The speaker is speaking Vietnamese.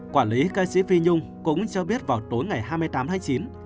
quản lý ca sĩ phi nhung cũng cho biết vào tối ngày hai mươi tám hai mươi chín